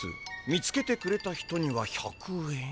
見つけてくれた人には１００円」。